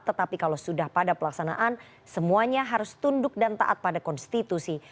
tetapi kalau sudah pada pelaksanaan semuanya harus tunduk dan taat pada konstitusi